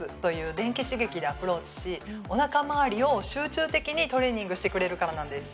電気刺激でアプローチしお腹周りを集中的にトレーニングしてくれるからなんです